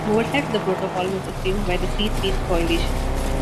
Oversight of the protocol was assumed by the Free Speech Coalition.